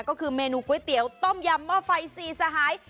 ก็คือเมนูก๋วยเตี๋ยวต้มยำหม้อไฟสี่สหาย